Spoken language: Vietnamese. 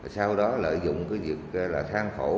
sau đó lợi dụng cái việc là thang khổ